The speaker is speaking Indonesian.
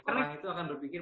orang itu akan berpikir